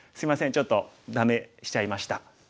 ちょっと「ダメ」しちゃいました。